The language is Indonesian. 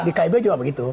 di kib juga begitu